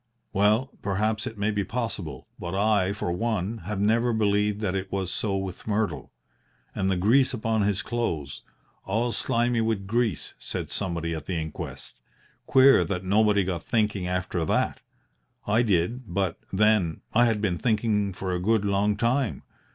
Well, perhaps it may be possible, but I, for one, have never believed that it was so with Myrtle. And the grease upon his clothes 'all slimy with grease,' said somebody at the inquest. Queer that nobody got thinking after that! I did but, then, I had been thinking for a good long time.